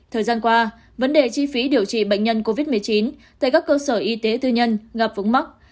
thời gian qua vấn đề chi phí điều trị bệnh nhân covid một mươi chín tại các cơ sở y tế tư nhân gặp vướng mắt